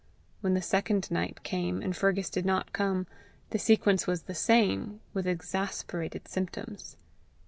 When the second night came, and Fergus did not come, the sequence was the same, with exasperated symptoms.